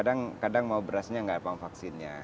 ya kadang mau berasnya nggak mau vaksinnya